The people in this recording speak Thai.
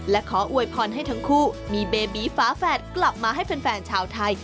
และขออวยพรให้ทั้งคู่มีเบบีฟ้าแฝดกลับมาให้แฟนชาวไทย